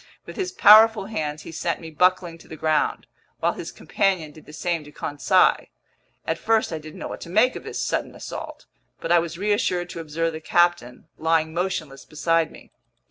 With his powerful hands he sent me buckling to the ground, while his companion did the same to Conseil. At first I didn't know what to make of this sudden assault, but I was reassured to observe the captain lying motionless beside me.